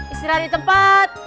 istirahat di tempat